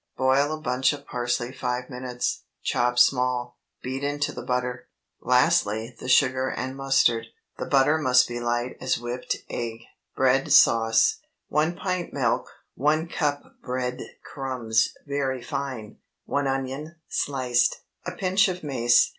Boil a bunch of parsley five minutes, chop small; beat into the butter; lastly the sugar and mustard. The butter must be light as whipped egg. BREAD SAUCE. 1 pint milk. 1 cup bread crumbs (very fine). 1 onion, sliced. A pinch of mace.